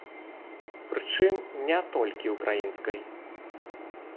Прычым, не толькі украінскай.